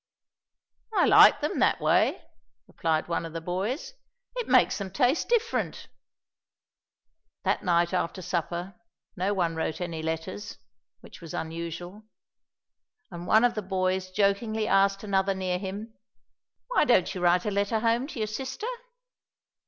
"I like them that way," replied one of the boys. "It makes them taste different." That night after supper no one wrote any letters, which was unusual, and one of the boys jokingly asked another near him, "Why don't you write a letter home to your sister?"